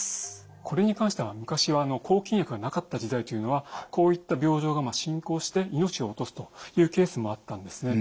これに関しては昔は抗菌薬のなかった時代というのはこういった病状が進行して命を落とすというケースもあったんですね。